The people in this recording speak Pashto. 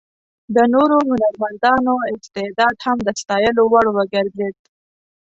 د نورو هنرمندانو استعداد هم د ستایلو وړ وګرځېد.